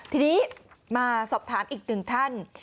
ทีนี้มาสอบถามอีกหนึ่งท่าน